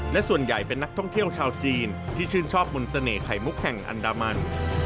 และส่วนใหญ่เป็นนักท่องเที่ยวชาวจีนที่ชื่นชอบมนต์เสน่หมุกแห่งอันดามัน